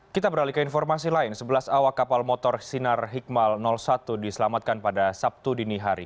kita beralih ke informasi lain sebelas awak kapal motor sinar hikmal satu diselamatkan pada sabtu dini hari